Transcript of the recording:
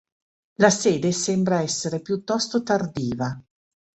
La sede sembra essere piuttosto tardiva.